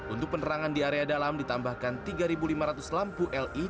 untuk penerangan di area dalam ditambahkan tiga lima ratus lampu led